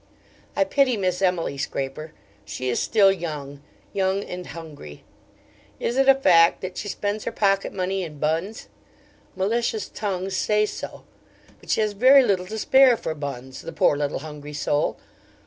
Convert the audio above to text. I pity Miss Emily Scraper she is still young young and hungry. Is it a fact that she spends her pocket money in buns? Malicious tongues say so; but she has very little to spare for buns, the poor little hungry soul!